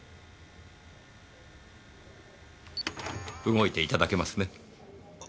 動いていただけますね？